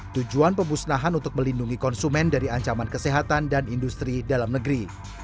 tujuan pemusnahan untuk melindungi konsumen dari ancaman kesehatan dan industri dalam negeri